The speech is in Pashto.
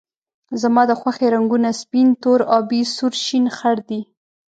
زما د خوښې رنګونه سپین، تور، آبي ، سور، شین ، خړ دي